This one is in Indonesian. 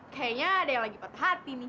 kayaknya ada yang lagi patah hati nih